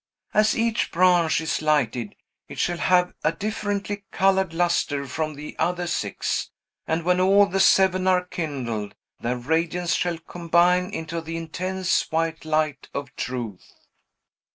As each branch is lighted, it shall have a differently colored lustre from the other six; and when all the seven are kindled, their radiance shall combine into the intense white light of truth."